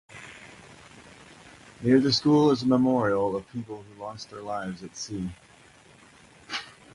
Near the school is a memorial of people who lost their lives at sea.